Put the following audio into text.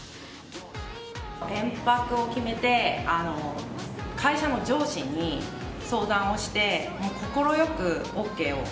延泊を決めて、会社の上司に相談をして、もう快くＯＫを。